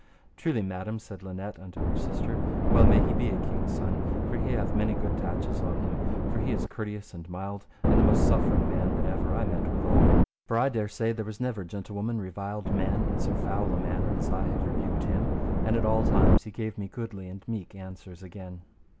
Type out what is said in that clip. Truly, madam, said Linet unto her sister, well may he be a king's son, for he hath many good tatches on him, for he is courteous and mild, and the most suffering man that ever I met withal. For I dare say there was never gentlewoman reviled man in so foul a manner as I have rebuked him; and at all times he gave me goodly and meek answers again.